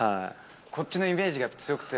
こっちのイメージが強くて。